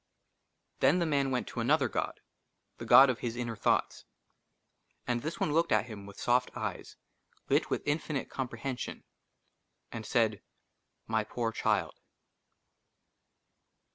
THEN THE MAN WENT TO ANOTHER GOD, THE GOD OF HIS INNER THOUGHTS. AND THIS ONE LOOKED AT HIM WITH SOFT EYES LIT WITH INFINITE COMPREHENSION, AND SAID, *' MY POOR CHILD